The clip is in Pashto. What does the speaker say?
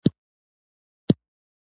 ستاسو په سیمه کې د ورښتونو څه سمندرونه؟